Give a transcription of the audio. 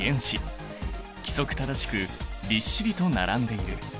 規則正しくびっしりと並んでいる。